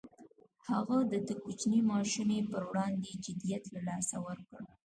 هغه د دې کوچنۍ ماشومې پر وړاندې جديت له لاسه ورکړ.